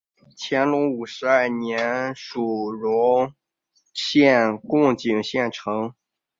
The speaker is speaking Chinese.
乾隆五十二年署荣县贡井县丞。